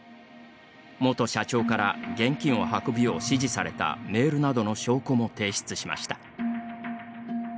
元社長から現金を運ぶよう指示されたメールなどの証拠も提出しました。